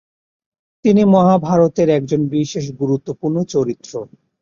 তিনি মহাভারতের একজন বিশেষ গুরুত্বপূর্ণ চরিত্র।